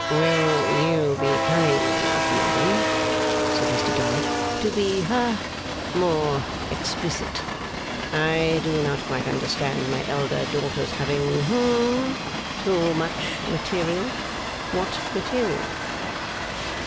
'Will you be kind enough, madam,' said Mr Dorrit, 'to be ha more explicit? I do not quite understand my elder daughter's having hum too much material. What material?